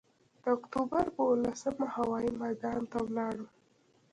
د اکتوبر پر اوولسمه هوايي میدان ته ولاړم.